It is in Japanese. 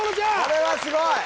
これはすごい！